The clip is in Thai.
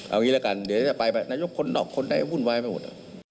เอางี้เหลือกันเดี๋ยวจะไปไปนายกข้นนอกขนได้วุ่นวายไปหมด